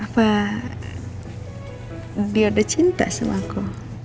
apa dia udah cinta sama aku